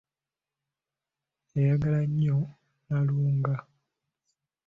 Yayagala nnyo Nnalunga.